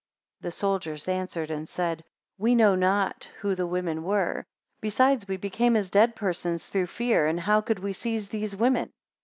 8 The soldiers answered and said, We know not who the women were; besides we became as dead persons through fear, and how could we seize those women?